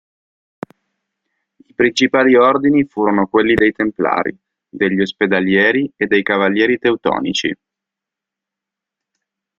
I principali ordini furono quelli dei Templari, degli Ospedalieri e dei Cavalieri Teutonici.